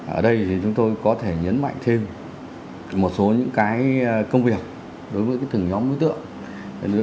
ở đây thì chúng tôi có thể nhấn mạnh thêm một số những công việc đối với từng nhóm đối tượng